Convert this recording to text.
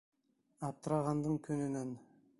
Аптырағандың көнөнән...